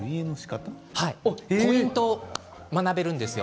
ポイントを学べるんですよ。